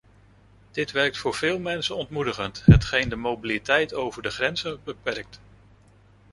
Dit werkt voor veel mensen ontmoedigend, hetgeen de mobiliteit over de grenzen beperkt.